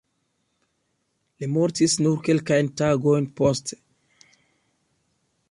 Li mortis nur kelkajn tagojn poste.